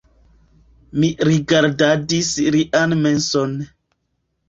Mi rigardadis lian menson.